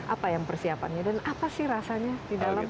apa yang persiapannya dan apa sih rasanya di dalam